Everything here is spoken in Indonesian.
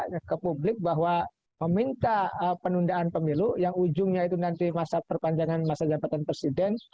saya ke publik bahwa meminta penundaan pemilu yang ujungnya itu nanti masa perpanjangan masa jabatan presiden